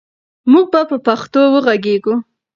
موږ به په پښتو وغږېږو.